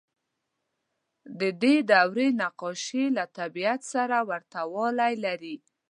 د دې دورې نقاشۍ له طبیعت سره ورته والی لري.